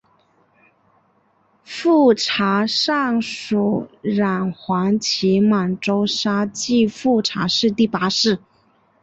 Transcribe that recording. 富察善属镶黄旗满洲沙济富察氏第八世。